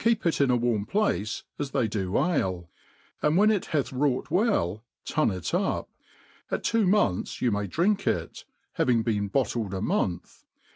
Keep it in a warm place, as they do ale \ and when it hath wrought well, tun it up ; at two months you may drink it, having been bottled a month.